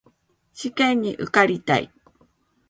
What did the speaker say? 試験に受かりたい